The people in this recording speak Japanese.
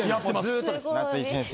ずっとです夏井先生。